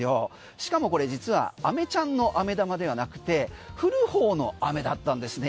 しかもこれ実はあめちゃんの飴玉ではなくて降る方の雨だったんですね。